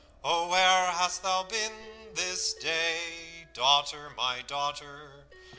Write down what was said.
Oh, where hast thou been this day Daughter, my daughter?'